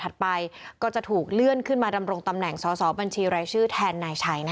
ไปก็จะถูกเลื่อนขึ้นมาดำรงตำแหน่งสอสอบัญชีรายชื่อแทนนายชัย